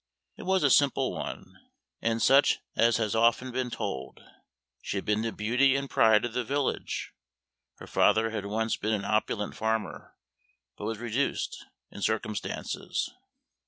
It was a simple one, and such as has often been told. She had been the beauty and pride of the village. Her father had once been an opulent farmer, but was reduced in circumstances.